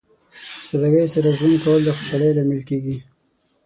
د سادګۍ سره ژوند کول د خوشحالۍ لامل کیږي.